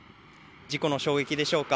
事故の衝撃でしょうか